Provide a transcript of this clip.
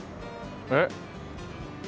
えっ？